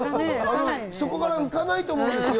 そこから浮かないと思うんですよ。